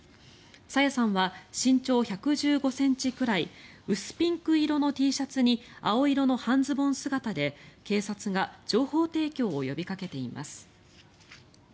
朝芽さんは身長１１５ｃｍぐらい薄ピンク色のＴシャツに青色の半ズボン姿で警察が情報提供を呼びかけています。